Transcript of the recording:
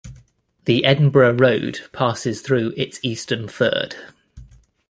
The Edinburgh Road passes through its eastern third.